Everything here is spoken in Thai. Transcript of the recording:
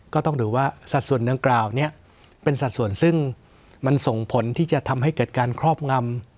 ก็ต้องดูว่าสัดส่วนดังกล่าวนี้เป็นสัดส่วนซึ่งมันส่งผลที่จะทำให้เกิดการครอบงำ